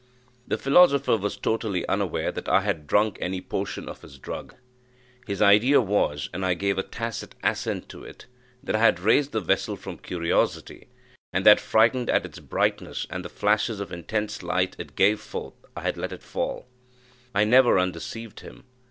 The philosopher was totally unaware that I had drunk any portion of his drug. His idea was, and I gave a tacit assent to it, that I had raised the vessel from curiosity, and that, frightened at its brightness, and the flashes of intense light it gave forth, I had let it fall. I never undeceived him.